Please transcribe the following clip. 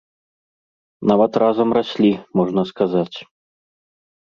Нават разам раслі, можна сказаць.